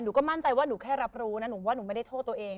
ก็มั่นใจว่าหนูแค่รับรู้นะหนูว่าหนูไม่ได้โทษตัวเอง